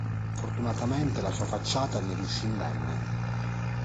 Fortunatamente la sua facciata ne riuscì indenne.